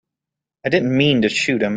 I didn't mean to shoot him.